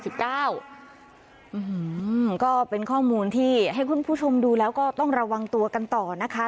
ก็เป็นข้อมูลที่ให้คุณผู้ชมดูแล้วก็ต้องระวังตัวกันต่อนะคะ